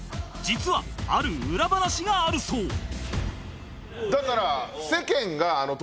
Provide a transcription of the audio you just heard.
実はある裏話があるそう